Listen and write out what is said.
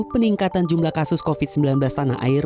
peningkatan jumlah kasus covid sembilan belas tanah air